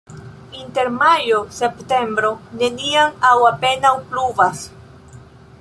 Inter majo-septembro neniam aŭ apenaŭ pluvas.